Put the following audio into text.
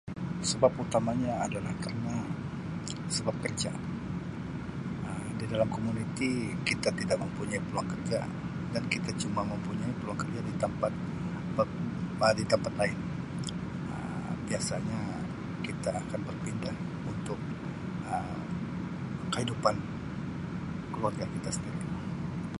Sebab utamanya adalah karna sebab kerja Um di dalam komuniti kita tidak mempunyai peluang kerja dan kita cuma mempunyai peluang kerja di tempat pak- Um di tempat lain Um biasanya kita akan berpindah untuk Um kahidupan keluarga kita sendiri.